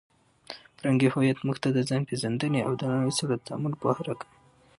فرهنګي هویت موږ ته د ځانپېژندنې او د نړۍ سره د تعامل پوهه راکوي.